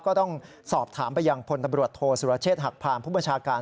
ก็ต้องสอบถามไปยังพลตำรวจโทษสุรเชษฐหักพานผู้บัญชาการ